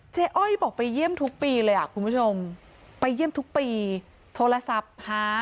อ้อยบอกไปเยี่ยมทุกปีเลยอ่ะคุณผู้ชมไปเยี่ยมทุกปีโทรศัพท์หา